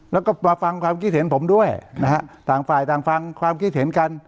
แล้วก็มาฟังความคิดเห็นผมด้วยนะฮะต่างฝ่ายต่างฟังความคิดเห็นกัน